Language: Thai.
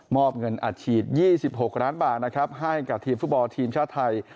อบเงินอัดฉีด๒๖ล้านบาทนะครับให้กับทีมฟุตบอลทีมชาติไทย